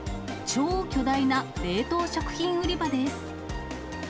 超巨大な冷凍食品売り場です。